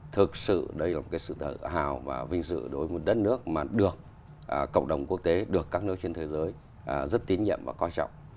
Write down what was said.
thực sự đây là một cái sự tự hào và vinh dự đối với một đất nước mà được cộng đồng quốc tế được các nước trên thế giới rất tín nhiệm và coi trọng